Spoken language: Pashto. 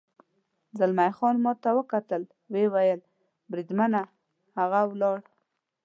زلمی خان ما ته وکتل، ویې ویل: بریدمنه، هغه ولاړ.